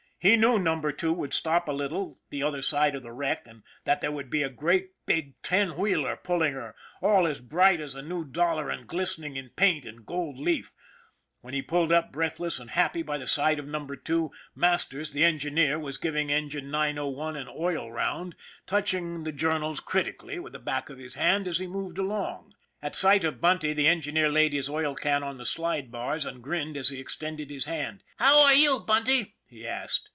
He knew Number Two would stop a little the other side of the wreck, and that there would be a great big ten wheeler pulling her, all as bright as a new dollar and glistening in paint and gold leaf. When he pulled up breathless and happy by the side of Number Two, Masters, the engineer, was giving Engine 901 an oil round, touch THE LITTLE SUPER 37 ing the journals critically with the back of his hand as he moved along. At sight of Bunty, the engineer laid his oil can on the slide bars and grinned as he extended his hand. " How are you, Bunty ?" he asked.